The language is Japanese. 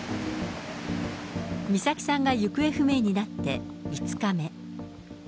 美咲さんが行方不明になって５日目。